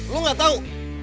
lu gak tahu